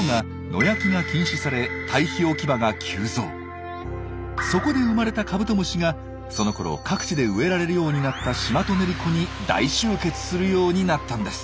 ところがそこで生まれたカブトムシがそのころ各地で植えられるようになったシマトネリコに大集結するようになったんです。